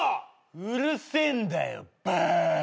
うるせえんだよバーカ。